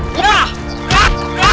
berani lu ya